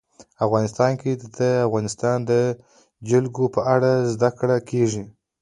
افغانستان کې د د افغانستان جلکو په اړه زده کړه کېږي.